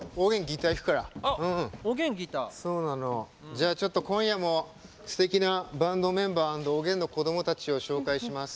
じゃあちょっと今夜もすてきなバンドメンバーアンドおげんの子供たちを紹介します。